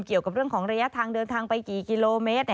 เกี่ยวกับเรื่องของระยะทางเดินทางไปกี่กิโลเมตร